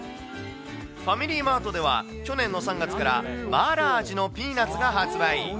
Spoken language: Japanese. ファミリーマートでは、去年の３月から、マーラー味のピーナッツが発売。